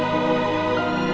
aku mau makan